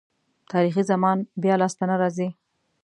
تاریخي زمان بیا لاسته نه راځي.